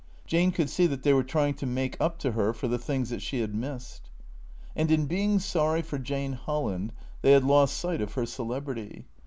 Jane could see that they were trying to make up to her for the things that she had missed. And in being sorry for Jane Holland they had lost sight of her celebrity.